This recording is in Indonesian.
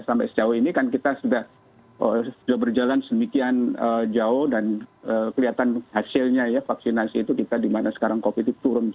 sampai sejauh ini kan kita sudah berjalan sedemikian jauh dan kelihatan hasilnya ya vaksinasi itu kita dimana sekarang covid itu turun